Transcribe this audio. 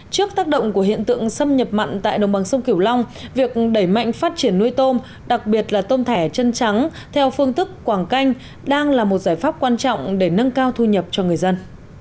trước tác động của hiện tượng xâm nhập mặn tại đồng bằng sông kiểu long việc đẩy mạnh phát triển nuôi tôm đặc biệt là tôm thẻ chân trắng theo phương thức quảng canh đang là một giải pháp quan trọng để nâng cao thu nhập cho người dân